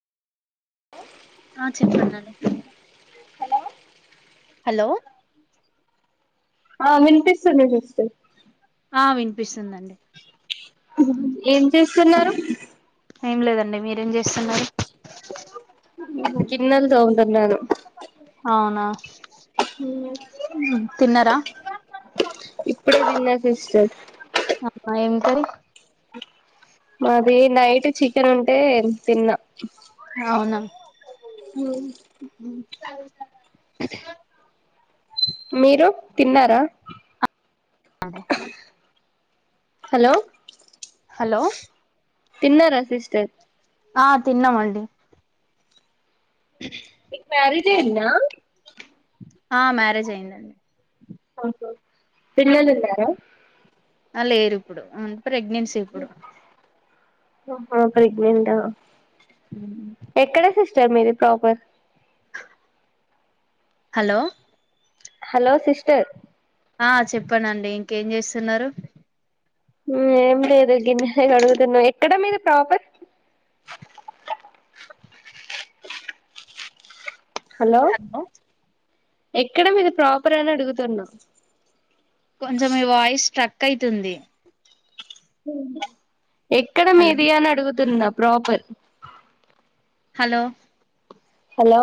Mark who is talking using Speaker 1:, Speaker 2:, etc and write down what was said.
Speaker 1: ఆ చెప్పాండి హలో
Speaker 2: ఆ వినిపిస్తుంది చూస్తే
Speaker 1: ఆ వినిపిస్తుందండి
Speaker 2: ఏం చేస్తున్నారు
Speaker 1: ఏం లేదండి మీరేం చేస్తున్నారు
Speaker 2: గిన్నలు తోముతున్నాను
Speaker 1: తిన్నార
Speaker 2: ఇప్పుడే తిన్న సిస్టర్
Speaker 1: అ
Speaker 2: నాది నైట్ చికెన్ ఉంటే తిన్నా
Speaker 1: అవునా
Speaker 2: ఏమి
Speaker 1: చ చ
Speaker 2: మీరు తిన్నారా హలో
Speaker 1: హలో
Speaker 2: తిన్నారా సిస్టర్
Speaker 1: ఆ తిన్నామండి
Speaker 2: మీకు మ్యారేజ్ అయిందా
Speaker 1: ఆ మ్యారేజ్ అయిందండి
Speaker 2: [inaudible] పిల్లలున్నారా
Speaker 1: ఆ లేరు ఇప్పుడు అ ప్రెగ్నెన్సీ ఇప్పుడు
Speaker 2: ఓ హో ప్రెగ్నెంట్ ఆ
Speaker 1: హ్మ్
Speaker 2: [unintelligible] మీది ప్రాపర్
Speaker 1: హలో
Speaker 2: హలో సిస్టర్
Speaker 1: ఆ చెప్పన నండి ఇంకేం చేస్తున్నారు
Speaker 2: ఏం లేదు గిన్నెలె కడుగుతున్నా ఎక్కడ మీది ప్రాపర్
Speaker 1: హలో
Speaker 2: ఎక్కడ మీది ప్రాపర్ అని అడుగుతున్నా
Speaker 1: కొంచం మీ వాయిస్ స్ట్రక్ అయితుంది
Speaker 2: ఎక్కడ
Speaker 1: హలో
Speaker 2: మీది అని అడుగుతున్న ప్రాపర్
Speaker 1: హలో
Speaker 2: హలో